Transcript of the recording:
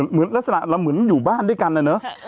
เหมือนอยู่บ้านด้วยกันนะเนอะ